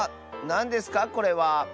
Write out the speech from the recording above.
なんですかこれは？